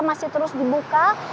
masih terus dibuka